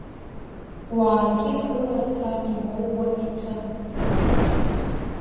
Уаагьы гыларҭа имоуа иҭәын.